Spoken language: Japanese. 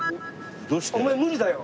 「お前無理だよ」。